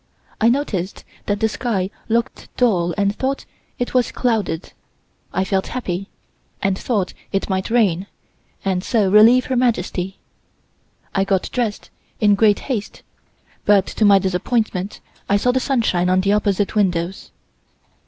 I noticed that the sky looked dull and thought it was clouded. I felt happy, and thought it might rain, and so relieve Her Majesty. I got dressed in great haste, but much to my disappointment I saw the sunshine on the opposite windows.